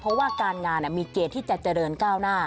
เพราะว่าการงานมีเกณฑ์ที่จะเจริญก้าวหน้า